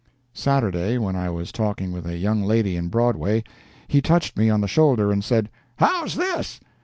Saturday, when I was talking with a young lady in Broadway, he touched me on the shoulder and said: "How's this?"